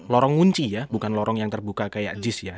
lorong ngunci ya bukan lorong yang terbuka kayak jis ya